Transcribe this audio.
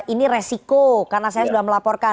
ini resiko karena saya sudah melaporkan